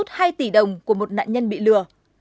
hai tỷ đồng của một nạn nhân bị lừa